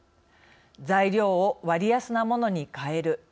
材料を割安なものに替える。